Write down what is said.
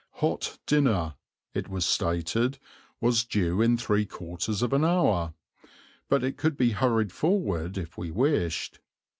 "Hot dinner," it was stated, was due in three quarters of an hour, but it could be hurried forward if we wished.